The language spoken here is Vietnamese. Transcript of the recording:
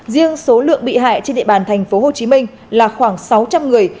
riêng số lượng bị hại trên địa bàn tp hcm là khoảng sáu trăm linh người